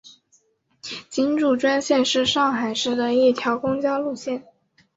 金祝专线是上海市的一条公交路线。